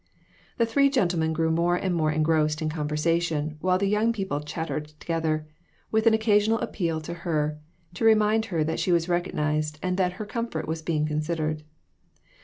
The three gentlemen grew more and more engrossed in conversation, while the young people chattered together, with an occasional appeal to her, to remind her that she was recognized, and that her comfort was being considered.